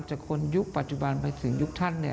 จากคนยุคปัจจุบันไปถึงยุคท่าน